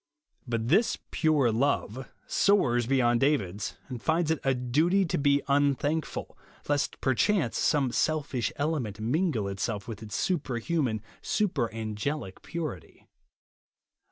But this " pure love" soars beyond David's, and finds it a duty, to be unthankful, lest perchance some selfish element mingle itself with its superhuman, super an gelicpuritj